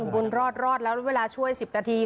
บุญรอดรอดแล้วเวลาช่วย๑๐นาที